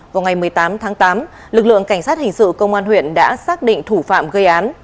vào ngày một mươi tám tháng tám lực lượng cảnh sát hình sự công an huyện đã xác định thủ phạm gây án